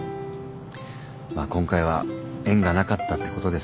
まあ今回は縁がなかったってことですね。